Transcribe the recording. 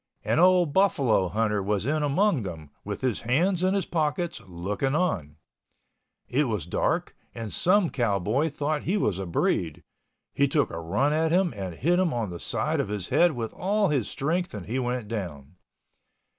An old buffalo hunter was in among them, with his hands in his pockets, looking on. It was dark and some cowboy thought he was a breed. He took a run at him and hit him on the side of his head with all his strength and he went down.